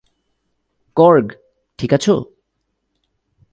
কর্গ, ঠিক আছ?